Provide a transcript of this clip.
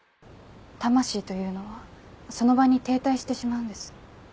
魂というのはその場に停滞してしまうんです。